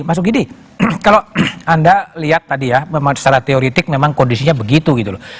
mas ukidi kalau anda lihat tadi ya secara teoretik memang kondisinya begitu gitu loh